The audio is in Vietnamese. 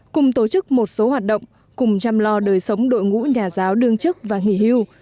cùng tổ chức một số hoạt động cùng chăm lo đời sống đội ngũ nhà giáo đương chức và nghỉ hưu